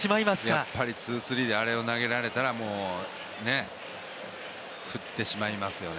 ツースリーであれを投げられたら振ってしまいますよね。